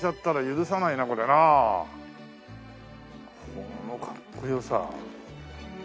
このかっこよさ！